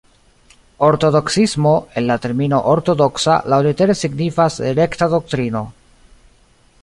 Ortodoksismo, el la termino "ortodoksa" laŭlitere signifas "rekta doktrino".